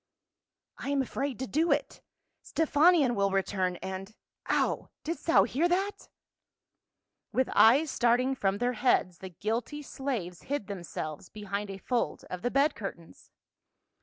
" I am afraid to do it ; Stephanion will return, and — Ow ! Didst thou hear that ?" With eyes starting from their heads the guilty slaves hid themselves behind a fold of the bed curtains.